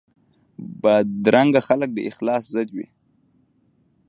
بدرنګه خلک د اخلاص ضد وي